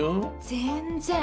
全然。